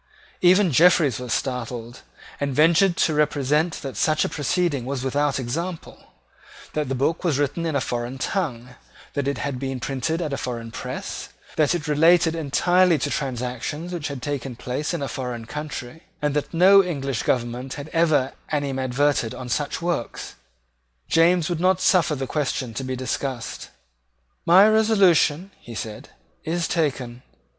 Even Jeffreys was startled, and ventured to represent that such a proceeding was without example, that the book was written in a foreign tongue, that it had been printed at a foreign press, that it related entirely to transactions which had taken place in a foreign country, and that no English government had ever animadverted on such works. James would not suffer the question to be discussed. "My resolution," he said, "is taken.